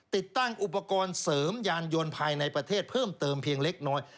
ติดตั้งอุปกรณ์เสริมยานยนต์ภายในประเทศเพิ่มเติมเพียงเล็กน้อย